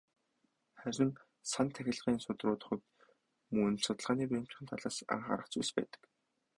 Харин "сан тахилгын судруудын" хувьд мөн л судалгааны баримтынх нь талаас анхаарах зүйлс байдаг.